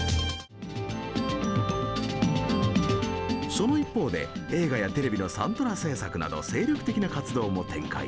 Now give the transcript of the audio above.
その一方で映画やテレビのサントラ制作など精力的な活動も展開。